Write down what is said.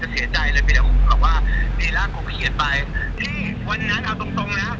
ฮ่ายยยยย